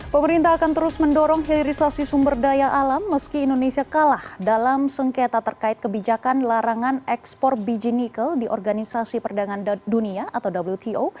pemerintah akan terus mendorong hilirisasi sumber daya alam meski indonesia kalah dalam sengketa terkait kebijakan larangan ekspor biji nikel di organisasi perdagangan dunia atau wto